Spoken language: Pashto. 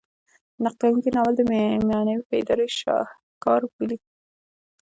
نقد کوونکي ناول د معنوي بیدارۍ شاهکار بولي.